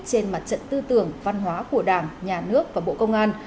trên mặt trận tư tưởng văn hóa của đảng nhà nước và bộ công an